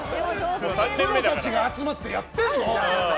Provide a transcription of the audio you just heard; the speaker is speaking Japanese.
プロたちが集まってやってんの。